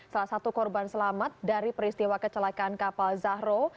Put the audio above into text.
salah satu korban selamat dari peristiwa kecelakaan kapal zahro